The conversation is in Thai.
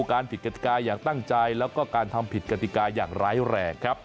การผิดกติกาอย่างตั้งใจแล้วก็การทำผิดกติกาอย่างร้ายแรงครับ